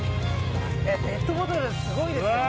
ペットボトルすごいですよほら。